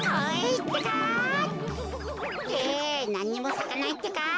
ってなんにもさかないってか。